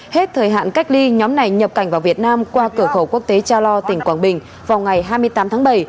hết thời hạn cách ly nhóm này nhập cảnh vào việt nam qua cửa khẩu quốc tế cha lo tỉnh quảng bình vào ngày hai mươi tám tháng bảy